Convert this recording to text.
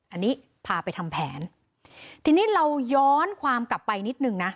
อันนี้พาไปทำแผนทีนี้เราย้อนความกลับไปนิดหนึ่งนะ